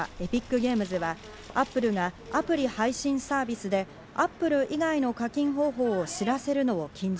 ゲームズはアップルがアプリ配信サービスでアップル以外の課金方法を知らせるの禁じ、